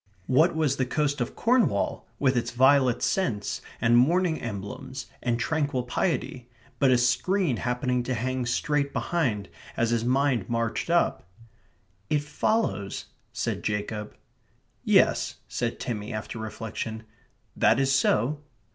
What was the coast of Cornwall, with its violet scents, and mourning emblems, and tranquil piety, but a screen happening to hang straight behind as his mind marched up? "It follows..." said Jacob. "Yes," said Timmy, after reflection. "That is so."